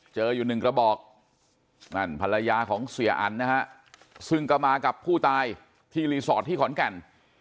เจออยู่หนึ่งกระบอกนั่นภรรยาของเสียอันนะฮะซึ่งก็มากับผู้ตายที่รีสอร์ทที่ขอนแก่น